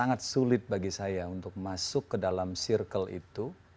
sangat sulit bagi saya untuk masuk ke dalam circle itu